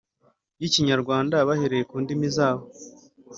y’Ikinyarwanda bahereye ku ndimi zabo.